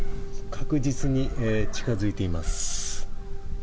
確実に近づいています。